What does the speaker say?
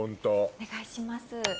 お願いします。